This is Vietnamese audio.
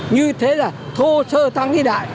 như thế là thô sơ thắng hay đại